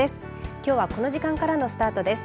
きょうはこの時間からのスタートです。